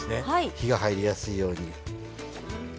火が入りやすいように。